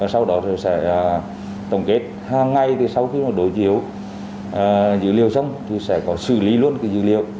sau đó sẽ tổng kết hàng ngày sau khi đổi chiếu dữ liệu xong sẽ có xử lý luôn dữ liệu